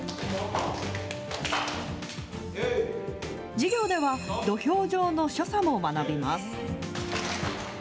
授業では土俵上の所作も学びます。